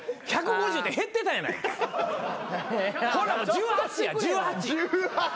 １８や１８。